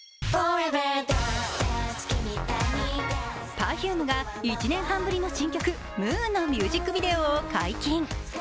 Ｐｅｒｆｕｍｅが１年半ぶりの新曲「Ｍｏｏｎ」のミュージックビデオを解禁。